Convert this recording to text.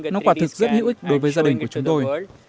nó quả thực rất hữu ích đối với gia đình của chúng tôi